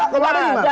kalau ada gimana